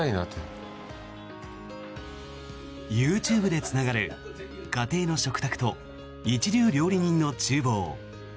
ＹｏｕＴｕｂｅでつながる家庭の食卓と一流料理人の厨房。